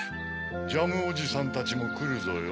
ジャムおじさんたちもくるぞよ。